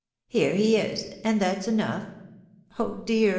Here he is, and that's enough?' Oh dear